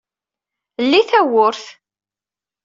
Lli tawwurt.